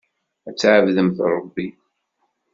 Ad tɛebdemt Ṛebbi.